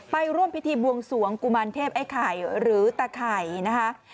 ไปร่วมพิธีบวงสวงกุมารเทพไอ้ไข่หรือตะไข่นะคะ